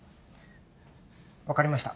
分かりました。